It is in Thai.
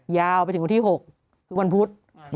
ยาวไปถึงวันที่๖คือวันพุธ